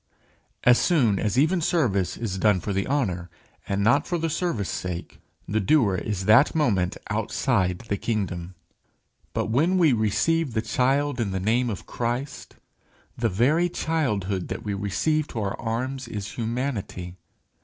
As soon as even service is done for the honour and not for the service sake, the doer is that moment outside the kingdom. But when we receive the child in the name of Christ, the very childhood that we receive to our arms is humanity.